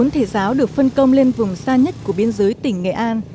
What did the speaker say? bốn mươi bốn thầy giáo được phân công lên vùng xa nhất của biên giới tỉnh nghệ an